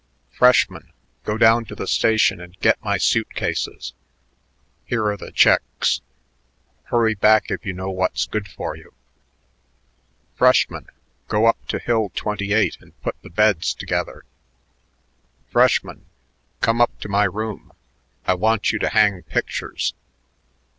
"Freshman! go down to the station and get my suit cases. Here are the checks. Hurry back if you know what's good for you."... "Freshman! go up to Hill Twenty eight and put the beds together."... "Freshman! come up to my room. I want you to hang pictures."